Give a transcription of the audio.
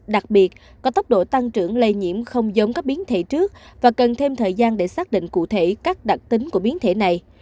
đặc biệt có tốc độ tăng trưởng lây nhiễm không giống các biến thể trước và cần thêm thời gian để xác định cụ thể các đặc tính của biến thể này